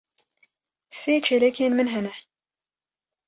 Sê çêlekên min hene.